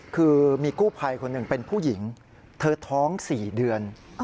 คือมีกู้ภัยคนหนึ่งเป็นผู้หญิงเธอท้อง๔เดือน